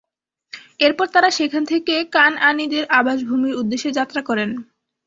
এরপর তারা সেখান থেকে কানআনীদের আবাসভূমির উদ্দেশে যাত্রা করেন।